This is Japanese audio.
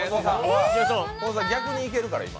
近藤さん、逆にいけるから。